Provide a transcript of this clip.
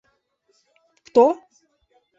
– Кто?